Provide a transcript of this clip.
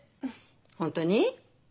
本当に？